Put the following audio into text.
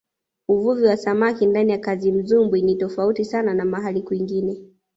uvuvi wa samaki ndani ya kazimzumbwi ni tofauti sana na mahali kwingine